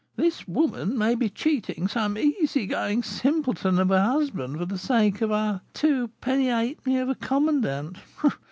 this woman may be cheating some easygoing simpleton of a husband for the sake of our two penny halfpenny of a commandant!